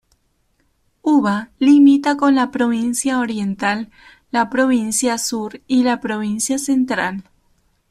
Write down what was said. Uva limita con la Provincia Oriental, la Provincia Sur y la Provincia Central.